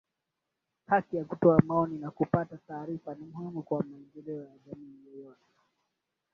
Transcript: haki ya kutoa maoni na kupata taarifa ni muhimu kwa maendeleo ya jamii yeyote